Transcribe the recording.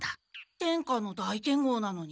天下の大剣豪なのに？